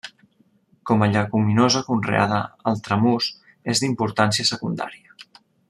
Com a lleguminosa conreada el tramús és d'importància secundària.